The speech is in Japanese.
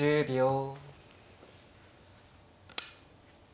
１０秒。